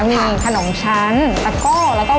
มีขนมฉันแล้วก็แล้วก็บุญกะติค่ะให้กับแฟน